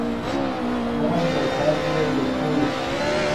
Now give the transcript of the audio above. مو ام نے چات ژیو گیپ ݰوئے